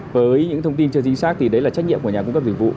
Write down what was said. với những thông tin chưa chính xác thì đấy là trách nhiệm của nhà cung cấp dịch vụ